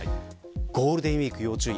ゴールデンウイーク要注意。